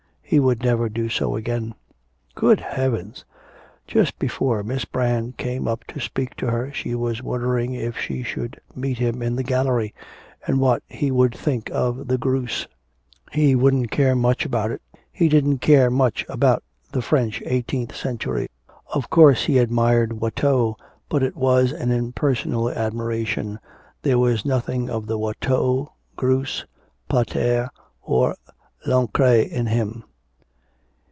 He would never do so again. Good heavens! ... Just before Miss Brand came up to speak to her she was wondering if she should meet him in the gallery, and what he would think of the Greuse. He wouldn't care much about it. He didn't care much about the French eighteenth century, of course he admired Watteau, but it was an impersonal admiration, there was nothing of the Watteau, Greuse, Pater, or Lancret in him.